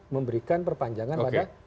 memberikan perpanjangan pada